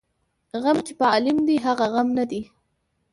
ـ غم چې په عالم دى هغه غم نه دى.